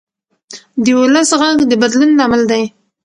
د ولس غږ د بدلون لامل دی